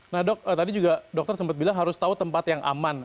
nah dok tadi juga dokter sempat bilang harus tahu tempat yang aman